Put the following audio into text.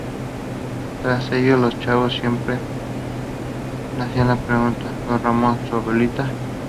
Tras ello, el Chavo siempre le hacía la pregunta: "Don Ramón, ¿su abuelita...?